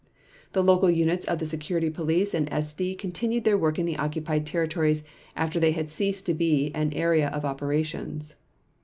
The local units of the Security Police and SD continued their work in the occupied territories after they had ceased to be an area of operations.